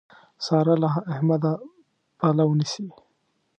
سارا له احمده پلو نيسي.